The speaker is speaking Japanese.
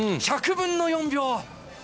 １００分の４秒。